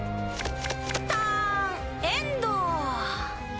ターンエンド！